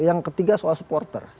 yang ketiga soal supporter